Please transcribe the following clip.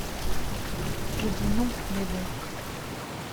Je dis non, mes bons…